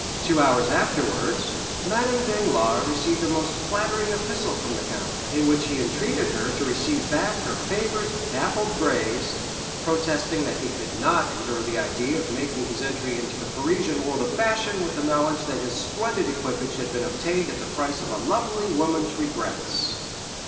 Two hours afterwards, Madame Danglars received a most flattering epistle from the count, in which he entreated her to receive back her favorite "dappled grays," protesting that he could not endure the idea of making his entry into the Parisian world of fashion with the knowledge that his splendid equipage had been obtained at the price of a lovely woman's regrets.